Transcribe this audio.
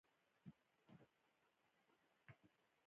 ښاغلي شواب د دغو کسانو دا ناوړه کړنې وغندلې.